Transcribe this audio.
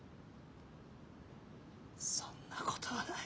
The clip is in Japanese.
そんなことはない。